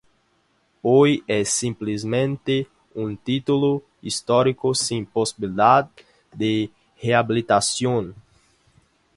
Hoy es simplemente un título histórico sin posibilidad de rehabilitación.